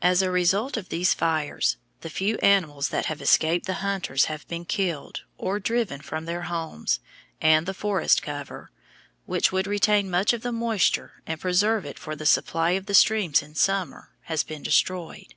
As a result of these fires, the few animals that have escaped the hunters have been killed or driven from their homes, and the forest cover, which would retain much of the moisture and preserve it for the supply of the streams in summer, has been destroyed.